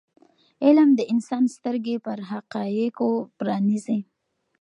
علم د انسان سترګې پر حقایضو پرانیزي.